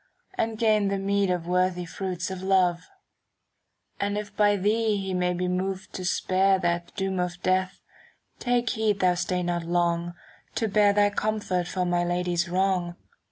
And gain the meed of worthy fruits of love: And if by thee he may be moved to spare "^ That doom of death, take heed thou stay not long To bear thy comfort for my Lady's wrong.